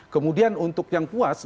kemudian untuk yang puas